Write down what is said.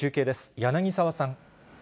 柳沢さん。